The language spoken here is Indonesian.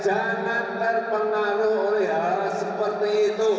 jangan terpengaruh oleh hal hal seperti itu